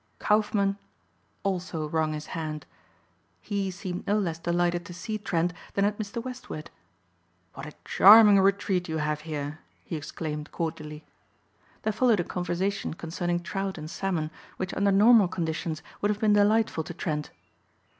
Kaufmann also wrung his hand. He seemed no less delighted to see Trent than had been Mr. Westward. "What a charming retreat you have here," he exclaimed cordially. There followed a conversation concerning trout and salmon which under normal conditions would have been delightful to Trent.